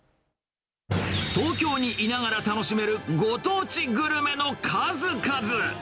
東京にいながら楽しめるご当地グルメの数々。